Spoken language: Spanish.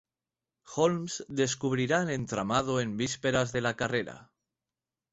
Holmes descubrirá el entramado en vísperas de la carrera.